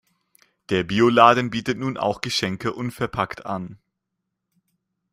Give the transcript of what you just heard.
Der Bioladen bietet nun auch Geschenke unverpackt an.